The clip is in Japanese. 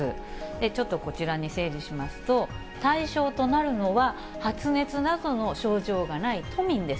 ちょっとこちらに整理しますと、対象となるのは、発熱などの症状がない都民です。